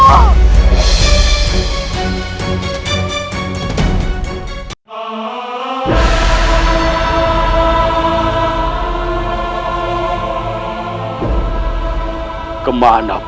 sudah aku akan menang